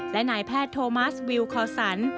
และนายแพทย์โทมัสวิวคอสัน